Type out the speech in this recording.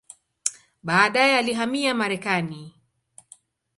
Baadaye alihamia Marekani.